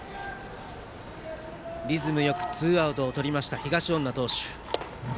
リズムよくツーアウトをとった東恩納投手。